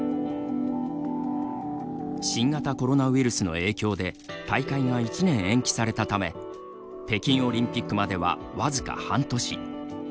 新型コロナウイルスの影響で大会が１年延期されたため北京オリンピックまでは僅か半年。